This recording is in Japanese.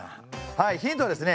はいヒントはですね